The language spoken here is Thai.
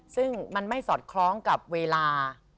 ซึ่งมันไม่สอดคล้องกับเวลา